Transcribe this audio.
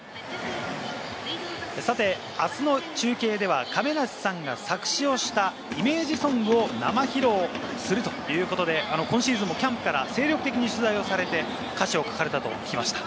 さて、あすの中継では、亀梨さんが作詞をしたイメージソングを生披露するということで、今シーズンもキャンプから精力的に取材をされて、歌詞を書かれたと聞きました。